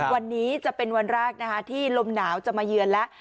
วันนี้จะเป็นวันรากที่ลมหนาวจะมายืนแล้ว